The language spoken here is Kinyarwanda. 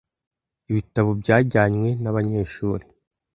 Ibitabo byajyanywe nabanyeshuri.